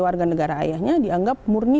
warga negara ayahnya dianggap murni